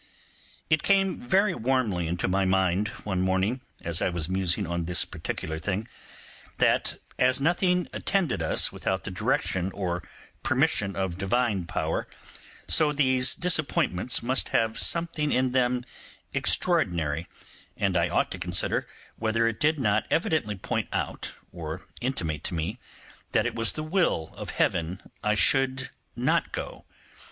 It came very warmly into my mind one morning, as I was musing on this particular thing, that as nothing attended us without the direction or permission of Divine Power, so these disappointments must have something in them extraordinary; and I ought to consider whether it did not evidently point out, or intimate to me, that it was the will of Heaven I should not go.